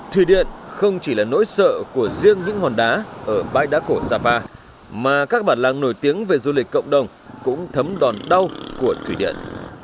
thủy điện không chỉ là nỗi sợ của riêng những hòn đá ở bãi đá cổ sapa mà các bản làng nổi tiếng về du lịch cộng đồng cũng thấm đòn đau của thủy điện